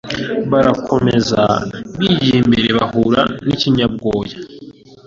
Barakomeza bigiye imbere bahura n'ikinyabwoya